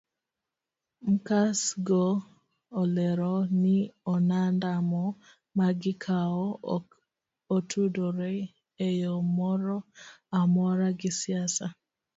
Mcas go olero ni ondamo magikawo ok otudore eyo moro amora gi siasa.